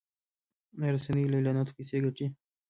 آیا رسنۍ له اعلاناتو پیسې ګټي؟